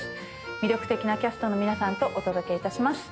魅力的なキャストの皆さんとお届けいたします。